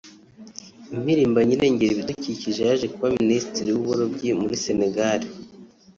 impirimbanyi irengera ibidukikije yaje kuba Minisitiri w’uburobyi muri Senegal